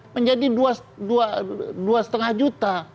menjadi dua lima juta